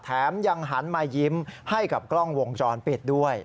แถมยังหันมายิ้มให้กับกล้องวงจรปิดด้วย